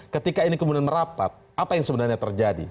ketika ini kemudian merapat apa yang sebenarnya terjadi